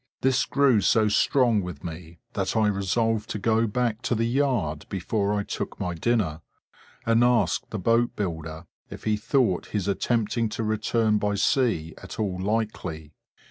This grew so strong with me, that I resolved to go back to the yard before I took my dinner, and ask the boat builder if he thought his attempting to return by sea at all likely?